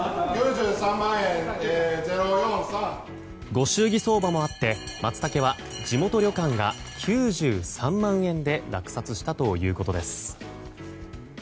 ご祝儀相場もあってマツタケは地元旅館が９３万円で落札したということです。